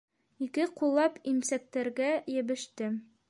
Ике ҡуллап имсәктәргә йәбеште.